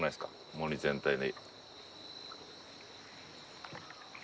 森全体に。